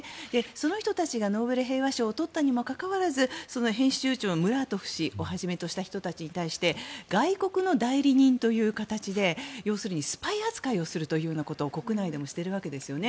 その人たちがノーベル平和賞を取ったのにもかかわらずその編集長、ムラトフ氏をはじめとした人たちに対して外国の代理人という形でスパイ扱いをするということを国内でもしているわけですよね。